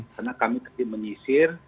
karena kami tetap menyisa